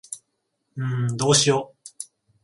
んーどうしよ。